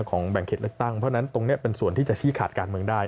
แบ่งเขตเลือกตั้งเพราะฉะนั้นตรงนี้เป็นส่วนที่จะชี้ขาดการเมืองได้